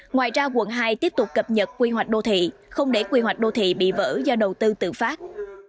ngoài ra quận hai tiếp tục cập nhật quy hoạch đô thị không để quy hoạch đô thị bị vỡ do đầu tư tự phát